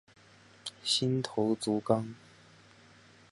新头足纲。